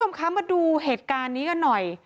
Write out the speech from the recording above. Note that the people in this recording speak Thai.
หมูกล่อมคะมาดูเหตุการณ์นี้กันหน่อย